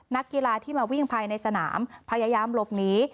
นักกีฬาที่มาวิ่งภายในสนามพยายามหลบหนี